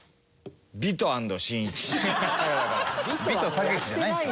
ビトタケシじゃないんですよ。